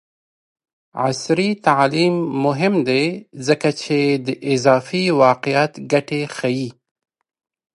عصري تعلیم مهم دی ځکه چې د اضافي واقعیت ګټې ښيي.